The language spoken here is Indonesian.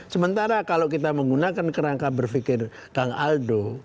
sementara kalau kita menggunakan kerangka berpikir kang aldo